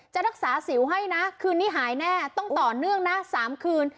จะรักษาสิวให้นะคืนนี้หายแน่ต้องต่อเนื่องนะ๓คืน